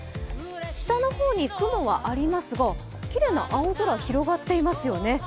下の方に雲はありますがきれいな青空が広がっていますよね。